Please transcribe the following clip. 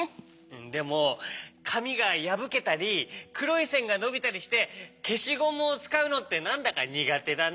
でもかみがやぶけたりくろいせんがのびたりしてけしゴムをつかうのってなんだかにがてだな。